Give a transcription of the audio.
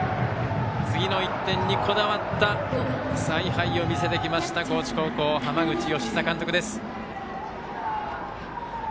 次の１点にこだわった采配を見せてきた高知高校の浜口佳久監督です。